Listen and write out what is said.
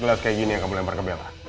lihat kayak gini yang kamu lempar ke bella